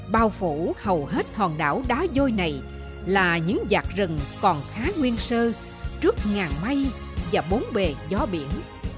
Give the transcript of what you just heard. bao phủ hầu hết hòn đảo đá vôi này là những giạt rừng còn khá nguyên sơ trước ngàn mây và bốn bề gió biển